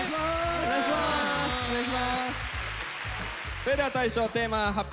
それでは大昇テーマ発表